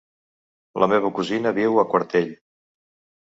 La meva cosina viu a Quartell.